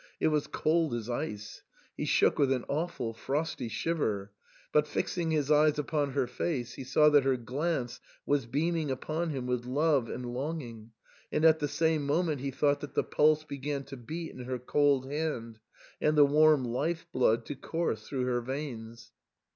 It was cold as ice ; he shook with an awful, frosty shiver. But, fixing his eyes upon her face, he saw that her glance was beaming upon him with love and longing, and at the same moment he thought that the pulse began to beat in her cold hand, and the warm life blood to course through her veins.